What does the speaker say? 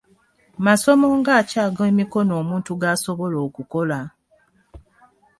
Masomo nga ki ag'emikono omuntu gaasobola okukola?